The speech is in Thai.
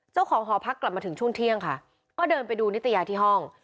หอพักกลับมาถึงช่วงเที่ยงค่ะก็เดินไปดูนิตยาที่ห้อง